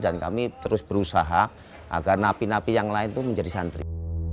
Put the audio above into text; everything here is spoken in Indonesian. dan kami terus berusaha agar napi napi yang lain tuh menjadi santri